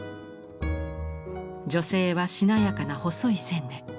女性はしなやかな細い線で。